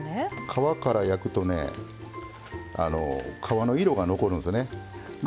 皮から焼くとね皮の色が残るんですよね。